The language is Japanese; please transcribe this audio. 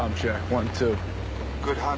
ワンツー。